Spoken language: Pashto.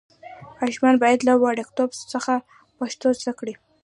ماشومان باید له وړکتوب څخه پښتو زده کړي.